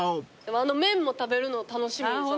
あの麺も食べるの楽しみです